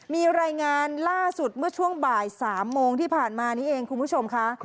มีรายงานล่าสุดเมื่อช่วงบ่าย๓โมงที่ผ่านมานี้เองคุณผู้ชมค่ะ